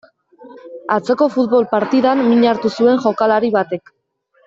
Atzoko futbol partidan min hartu zuen jokalari batek.